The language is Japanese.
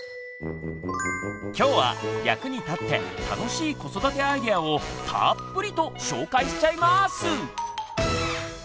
今日は役に立って楽しい子育てアイデアをたっぷりと紹介しちゃいます！